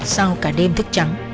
sau cả đêm thức trắng